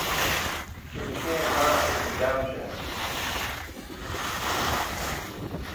He became Marquess of Downshire.